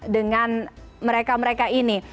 dengan mereka mereka ini